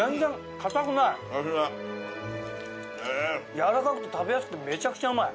やわらかくて食べやすくてめちゃくちゃうまい。